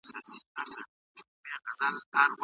پوهانو د طبیعي علومو میتود کارول غوښتل.